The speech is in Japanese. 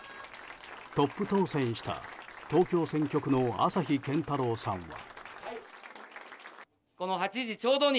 トップ当選した東京選挙区の朝日健太郎さんは。